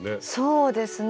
そうですね。